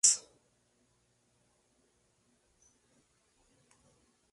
Le Perray-en-Yvelines